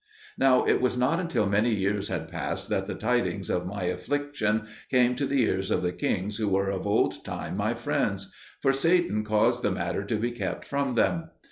Now it was not until many years had passed that the tidings of my affliction came to the ears of the kings who were of old time my friends for Satan caused the matter to be kept from them.